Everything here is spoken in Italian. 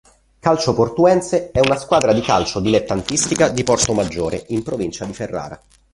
Calcio Portuense è una squadra di calcio dilettantistica di Portomaggiore, in Provincia di Ferrara.